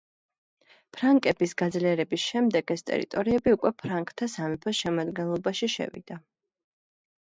ფრანკების გაძლიერების შემდეგ ეს ტერიტორიები უკვე ფრანკთა სამეფოს შემადგენლობაში შევიდა.